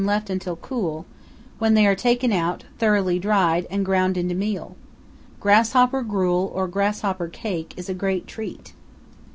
left until cool, when they are taken out, thoroughly dried, and ground into meal. Grasshopper gruel or grasshopper cake is a great treat.